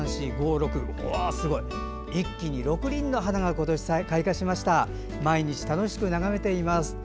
一気に６輪の花が開花しました毎日楽しく眺めています。